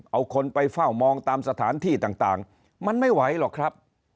เอาคนไปเฝ้ามองตามสถานที่ต่างมันไม่ไหวหรอกครับ